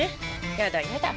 やだやだ。